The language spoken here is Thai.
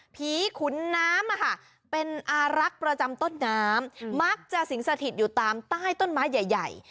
ขุนน้ำเป็นอารักษ์ประจำต้นน้ำมักจะสิงสถิตอยู่ตามใต้ต้นไม้ใหญ่